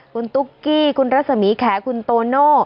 คุณตุ๊กกี้คุณรัศมีแขคุณโตโน่